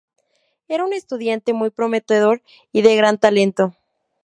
Era un estudiante muy prometedor y de gran talento.